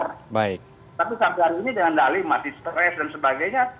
tapi sampai hari ini dengan dali masih stres dan sebagainya